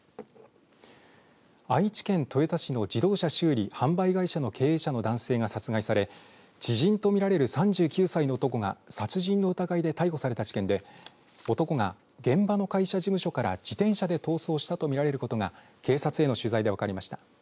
愛知県豊田市の自動車修理・販売会社の経営者の男性が殺害され知人とみられる３９歳の男が殺人の疑いで逮捕された事件で男が現場の会社事務所から自転車で逃走したとみられることが警察への取材で分かりました。